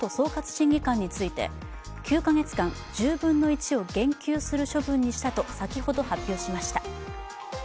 審議官について９か月間、１０分の１を減給する処分にしたと先ほど発表しました。